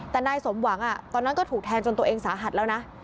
แต่นายสมหวังตอนนั้นก็ถูกแทงจนตัวเองสาหัสแล้วนะ